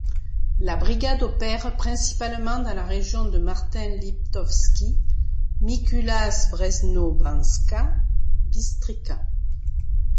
La Brigade opère principalement dans la région de Martin-Liptovský Mikuláš-Brezno-Banská Bystrica.